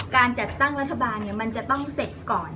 การจัดตั้งรัฐบาลมันจะต้องเสร็จก่อน